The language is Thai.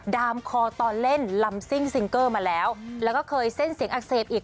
ดามคอตอนเล่นลำซิ่งซิงเกอร์มาแล้วแล้วก็เคยเส้นเสียงอักเสบอีก